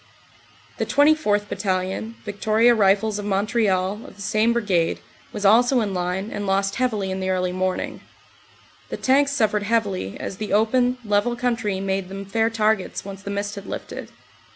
The 24th. Battalion, Victoria Rifles of Montreal, of the 5 50 CANADA S HUNDRED DAYS same Brigade, was also in line, and lost heavily in the early morning. The tanks suffered heavily, as the open, level coun try made them fair targets once the mist had lifted.